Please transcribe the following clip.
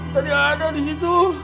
tadi ada disitu